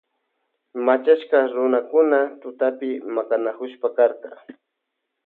Machashka runakuna tutapi makanakushpa karka.